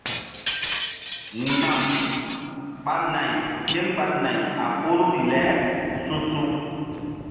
Mgba̧m ɓa nayri kémgba nay a ɓoruri le su̧su̧.